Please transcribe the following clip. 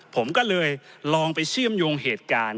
ผมก็เลยลองไปเชื่อมโยงเหตุการณ์